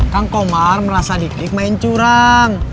kang komar merasa dik dik main curang